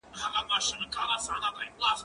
زه پرون کتابونه ليکم